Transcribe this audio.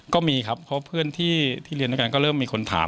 ก็มีครับเพราะเพื่อนที่เรียนด้วยกันก็เริ่มมีคนถาม